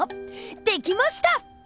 できました！